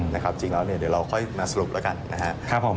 นะครับจริงแล้วเดี๋ยวเราค่อยมาสรุปแล้วกันนะครับ